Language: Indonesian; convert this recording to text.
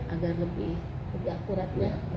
agar lebih akuratnya